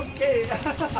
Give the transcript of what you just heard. アハハハ！